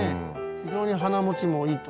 非常に花もちもいいと。